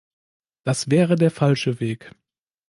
Das wäre der falsche Weg.